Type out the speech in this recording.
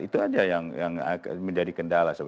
itu aja yang menjadi kendala